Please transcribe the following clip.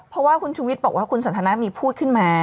เพราะว่าคุณชูวิทย์บอกว่าคุณสันทนามีพูดขึ้นมา